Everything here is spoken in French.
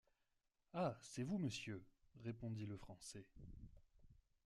Ah! c’est vous, monsieur, répondit le Français.